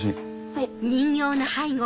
はい。